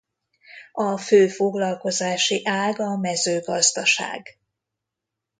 A fő foglalkozási ág a mezőgazdaság.